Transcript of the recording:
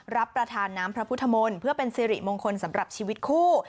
รับประทานน้ำพระพุทธมนตร์เพื่อเป็นสิริมงคลสำหรับชีวิตคู่